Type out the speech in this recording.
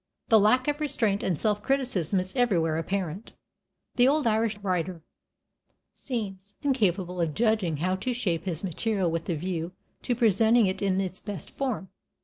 The lack of restraint and self criticism is everywhere apparent; the old Irish writer seems incapable of judging how to shape his material with a view to presenting it in its best form.